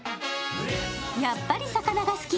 やっぱり魚が好き。